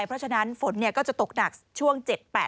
เพราะฉะนั้นฝนก็จะตกหนักช่วง๗๘